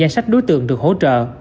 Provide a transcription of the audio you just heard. danh sách đối tượng được hỗ trợ